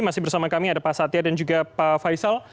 masih bersama kami ada pak satya dan juga pak faisal